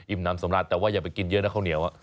น้ำสำราญแต่ว่าอย่าไปกินเยอะนะข้าวเหนียว